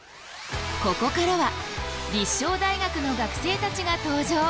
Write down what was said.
ここからは立正大学の学生たちが登場。